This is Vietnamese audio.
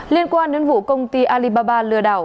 liên quan đến vụ công ty alibaba lừa đảo